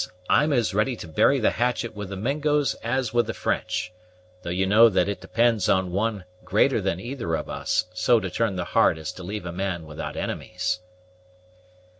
I'm as ready to bury the hatchet with the Mingos as with the French, though you know that it depends on One greater than either of us so to turn the heart as to leave a man without enemies."